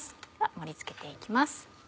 盛り付けて行きます。